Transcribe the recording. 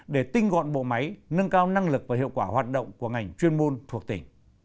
để tinh gọn bộ máy nâng cao năng lực và hiệu quả hoạt động của ngành chuyên môn thuộc tỉnh